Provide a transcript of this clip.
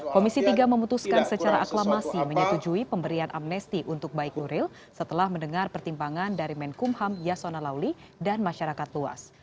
komisi tiga memutuskan secara aklamasi menyetujui pemberian amnesti untuk baik nuril setelah mendengar pertimbangan dari menkumham yasona lawli dan masyarakat luas